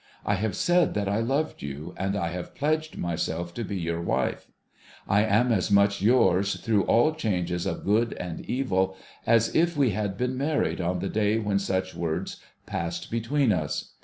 I have said that I loved you, and I have pledged myself to be your wife. I am as much yours through all changes of good and evil as if we had been married on the day when such words passed between us.